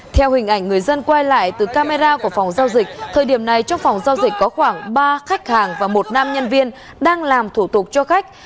theo hình ảnh người dân quay lại từ camera của phòng giao dịch thời điểm này trong phòng giao dịch có khoảng ba khách hàng và một nam nhân viên đang làm thủ tục cho khách